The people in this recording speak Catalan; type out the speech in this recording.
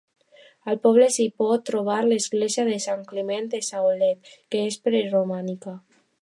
Al poble s'hi pot trobar l'església de Sant Climent de Saulet, que és preromànica.